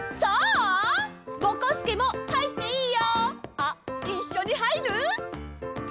あっいっしょにはいる？